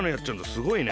すごいね。